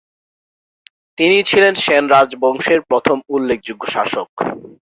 তিনিই ছিলেন সেন রাজবংশের প্রথম উল্লেখযোগ্য শাসক।